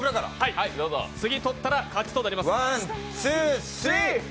次取ったら勝ちとなります。